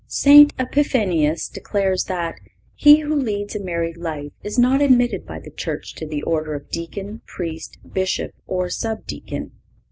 (525) St. Epiphanius declares that "he who leads a married life is not admitted by the Church to the order of Deacon, Priest, Bishop or sub Deacon."